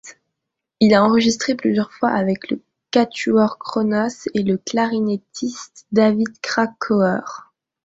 Il a enregistré plusieurs fois avec le Quatuor Kronos et le clarinettiste David Krakauer.